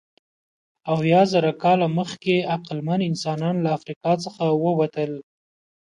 اویازره کاله مخکې عقلمن انسانان له افریقا څخه ووتل.